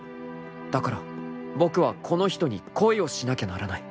［だから僕はこの人に恋をしなきゃならない］